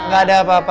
gak ada apa apa